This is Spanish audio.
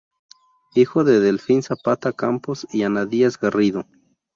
Hijo de Delfín Zapata Campos y Ana Díaz Garrido.